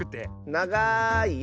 ながいよ。